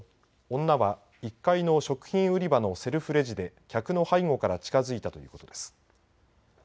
警察によりますと女は１階の食品売り場のセルフレジで客の背後から近づいたということです。